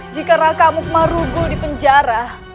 jika ranggabwana amuk marugol dipenjara